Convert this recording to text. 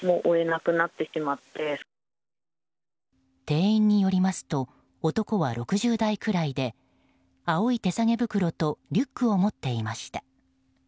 店員によりますと男は６０代くらいで青い手提げ袋とリュックを持っていました。